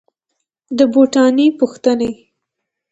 د بوټاني پوښتني